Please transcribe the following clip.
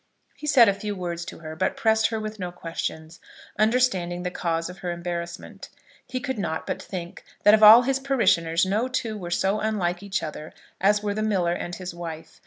He said a few words to her, but pressed her with no questions, understanding the cause of her embarrassment. He could not but think that of all his parishioners no two were so unlike each other as were the miller and his wife.